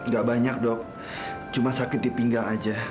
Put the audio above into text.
gak banyak dok cuma sakit di pinggang aja